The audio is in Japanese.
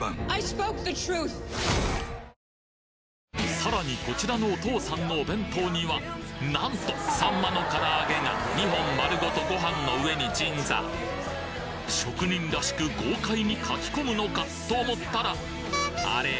さらにこちらのお父さんのお弁当には何とサンマの唐揚げが２本丸ごとご飯の上に鎮座職人らしく豪快にかきこむのかと思ったらあれ？